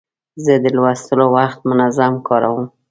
زه د لوستلو وخت منظم کاروم.